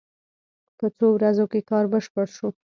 په څو ورځو کې کار بشپړ شو.